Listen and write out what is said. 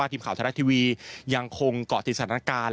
ทีมข่าวไทยรัฐทีวียังคงเกาะติดสถานการณ์